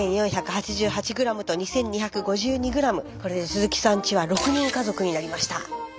２，４８８グラムと２，２５２グラムこれで鈴木さんちは６人家族になりました。